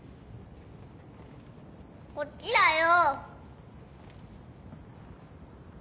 こっちだよ。